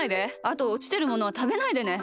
あとおちてるものはたべないでね。